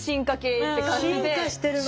進化してるの。